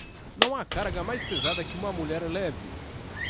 Não há carga mais pesada que uma mulher leve.